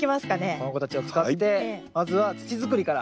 この子たちを使ってまずは土作りから。